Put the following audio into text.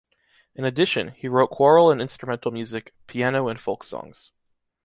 In addition, he wrote choral and instrumental music, piano and folk songs